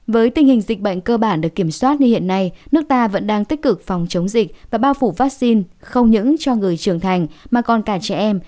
với tình hình dịch bệnh cơ bản được kiểm soát như hiện nay nước ta vẫn đang tích cực phòng chống dịch và bao phủ vaccine không những cho người trưởng thành mà còn cả trẻ em